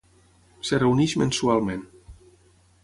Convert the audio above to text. Es reuneix mensualment.